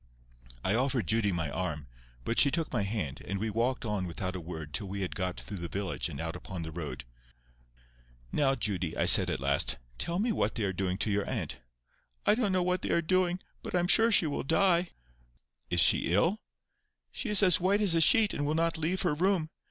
I offered Judy my arm, but she took my hand, and we walked on without a word till we had got through the village and out upon the road. "Now, Judy," I said at last, "tell me what they are doing to your aunt?" "I don't know what they are doing. But I am sure she will die." "Is she ill?" "She is as white as a sheet, and will not leave her room.